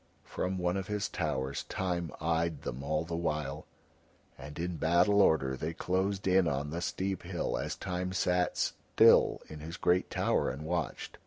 From one of his towers Time eyed them all the while, and in battle order they closed in on the steep hill as Time sat still in his great tower and watched.